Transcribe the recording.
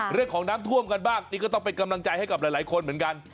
เรื่องของน้ำท่วมกันบ้างนี่ก็ต้องเป็นกำลังใจให้กับหลายคนเหมือนกัน